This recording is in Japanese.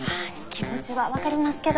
気持ちは分かりますけど。